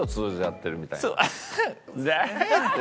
って。